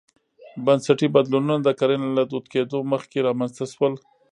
بنسټي بدلونونه د کرنې له دود کېدو مخکې رامنځته شول.